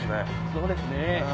そうですね。